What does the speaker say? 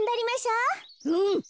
うん。